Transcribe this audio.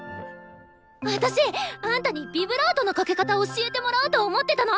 私あんたにビブラートのかけ方教えてもらおうと思ってたの！